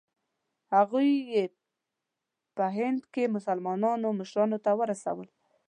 هغوی یې په هند کې مسلمانانو مشرانو ته ورسول.